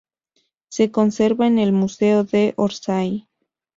Se conserva en el Museo de Orsay.